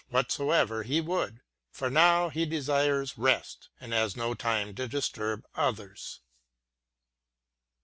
G7 how much soever he would, for now he desires rest, and has no time to disturb others.